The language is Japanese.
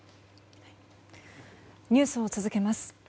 ニュースを続けます。